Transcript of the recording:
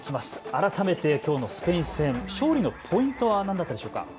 改めてきょうのスペイン戦、勝利のポイントは何だったでしょうか。